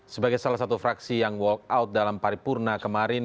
sebagai salah satu fraksi yang walk out dalam paripurna kemarin